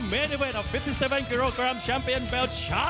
แล้วว่าประมานกว่า